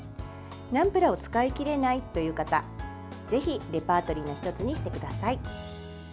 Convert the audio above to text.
ナムプラーを使い切れないという方ぜひレパートリーの１つにしてください。